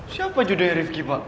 siapa jodohnya rifki pak